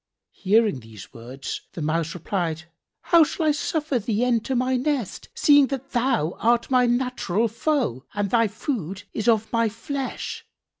Hearing these words the Mouse replied, "How shall I suffer thee enter my nest seeing that thou art my natural foe and thy food is of my flesh?